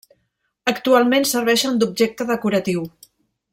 Actualment serveixen d’objecte decoratiu.